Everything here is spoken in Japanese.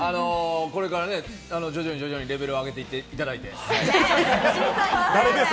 これから徐々にレベルを上げていっていただいて。